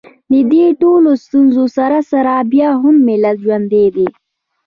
د دې ټولو ستونزو سره سره بیا هم ملت ژوندی دی